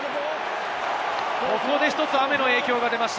ここで雨の影響が出ました。